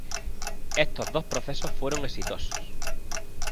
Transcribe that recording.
Estos dos procesos fueron exitosos.